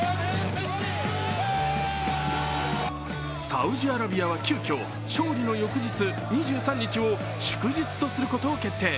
サウジアラビアは急きょ勝利の翌日２３日を祝日とすることを決定。